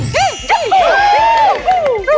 วนจันทร์อีกแล้ว